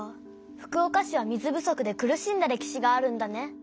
福岡市は水不足で苦しんだ歴史があるんだね。